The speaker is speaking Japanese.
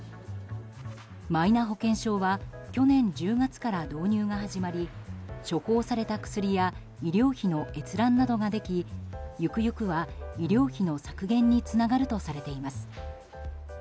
マイナ保険証は去年１０月から導入が始まり処方された薬や医療費の閲覧などができゆくゆくは医療費の削減につながるとされています。